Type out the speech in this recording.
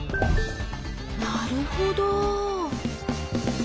なるほど。